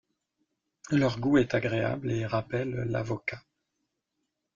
Leur goût est agréable et rappelle l'avocat.